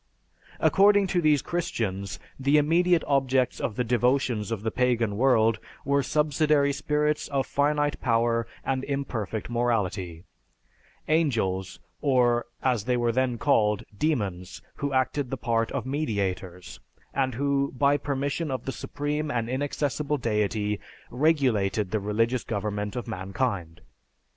"According to these Christians, the immediate objects of the devotions of the pagan world were subsidiary spirits of finite power and imperfect morality; angels, or, as they were then called, demons, who acted the part of mediators, and who, by permission of the Supreme and Inaccessible Deity, regulated the religious government of mankind.